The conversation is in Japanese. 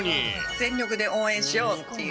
全力で応援しようっていう。